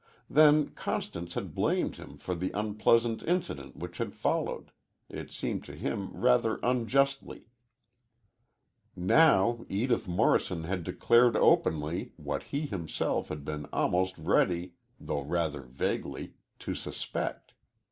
Then Constance had blamed him for the unpleasant incident which had followed it seemed to him rather unjustly. Now, Edith Morrison had declared openly what he himself had been almost ready, though rather vaguely, to suspect.